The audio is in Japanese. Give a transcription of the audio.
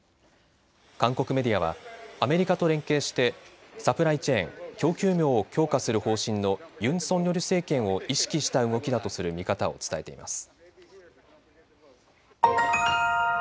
韓国メディアはアメリカと連携してサプライチェーン・供給網を強化する方針のユン・ソンニョル政権を意識した動きだとする見方を伝えています。